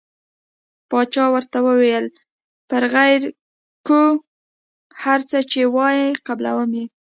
باچا ورته وویل پر غیر کوو هر څه چې وایې قبلووم.